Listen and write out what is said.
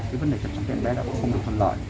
cái vấn đề chăm sóc cho em bé đã không được phân loại